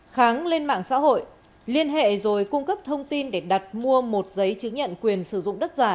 kháng lên mạng xã hội liên hệ rồi cung cấp thông tin để đặt mua một giấy chứng nhận quyền sử dụng đất giả